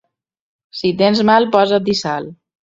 Si tens mal, posa-t'hi sal.